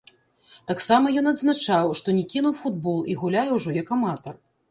Таксама ён адзначаў, што не кінуў футбол і гуляе ўжо як аматар.